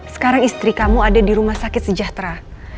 sekarang istri kamu ada di rumah sakit sejahtera